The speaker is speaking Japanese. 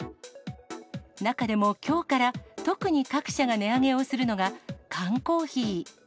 中でもきょうから、特に各社が値上げをするのが缶コーヒー。